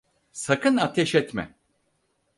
Sakın ateş etme!